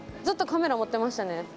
ずっとカメラ持ってましたね。